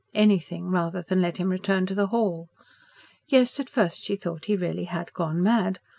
Anything rather than let him return to the hall. Yes, at first she thought he really had gone mad.